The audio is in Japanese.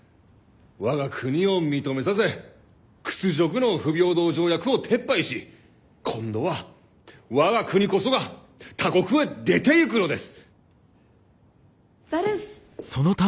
我が国を認めさせ屈辱の不平等条約を撤廃し今度は我が国こそが他国へ出ていくのです！